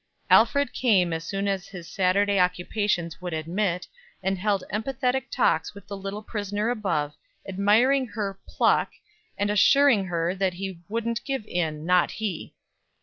Alfred came as often as his Saturday occupations would admit, and held emphatic talks with the little prisoner above, admiring her "pluck," and assuring her that he "wouldn't give in, not he."